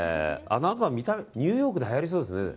ニューヨークではやりそうですね。